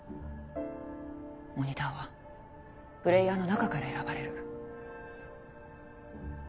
モニターはプレイヤーの中から選ばれる。